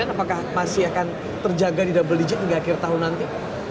apakah masih akan terjaga di double digit hingga akhir tahun nanti